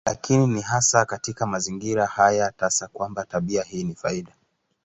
Lakini ni hasa katika mazingira haya tasa kwamba tabia hii ni faida.